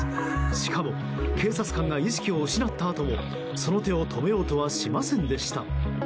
しかも、警察官が意識を失ったあともその手を止めようとはしませんでした。